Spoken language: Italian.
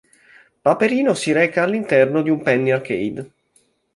Paperino si reca all'interno di un penny arcade.